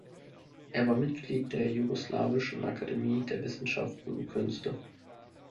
Er war Mitglied der Jugoslawischen Akademie der Wissenschaften und Künste.